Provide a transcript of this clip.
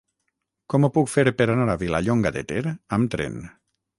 Com ho puc fer per anar a Vilallonga de Ter amb tren?